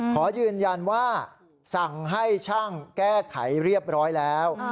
ขอยืนยันว่าสั่งให้ช่างแก้ไขเรียบร้อยแล้ว